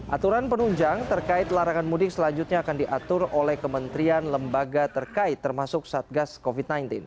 aturan penunjang terkait larangan mudik selanjutnya akan diatur oleh kementerian lembaga terkait termasuk satgas covid sembilan belas